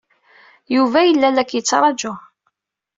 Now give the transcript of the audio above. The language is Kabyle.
Yuba yella la k-yettṛaju.